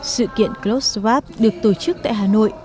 sự kiện clotheswap được tổ chức tại hà nội